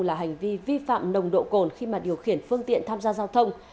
là hành vi vi phạm nồng độ cồn khi mà điều khiển phương tiện tham gia giao thông